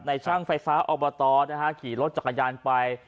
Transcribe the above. นายช่างไฟฟ้าออบตนะฮะกี่รถจักรยานไป